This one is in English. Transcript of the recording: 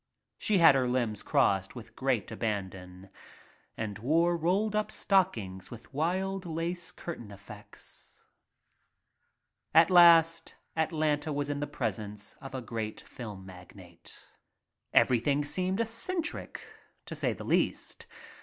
She had her limbs crossed with great abandon and wore rolled up stockings with wild lace curtain effects. At last Atlanta was in the presence of a great film magnate. Everything seemed eccentric, to say the least.